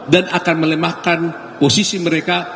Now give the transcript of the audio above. dan akan melemahkan posisi mereka